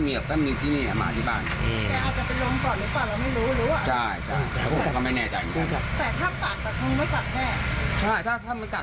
เราไม่รู้ว่ามันล้มไปก่อนหรือเปล่า